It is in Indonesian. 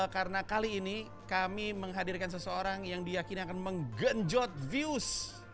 karena kali ini kami menghadirkan seseorang yang diakini akan menggenjot views